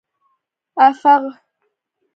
افغ